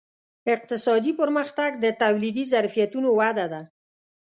اقتصادي پرمختګ د تولیدي ظرفیتونو وده ده.